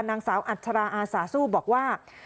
นางสาวอัชราอาสาสู้บอกว่า